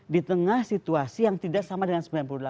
di tengah situasi yang tidak sama dengan sembilan puluh delapan